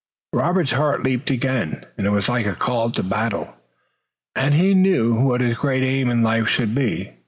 Robert's heart leaped again. It was like a call to battle, and now he knew what his great aim in life should be.